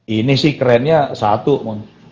ini sih kerennya satu